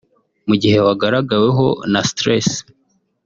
Mu gihe wagaragaweho na stress